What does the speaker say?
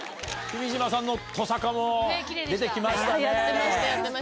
君島さんのトサカも出て来ましたね。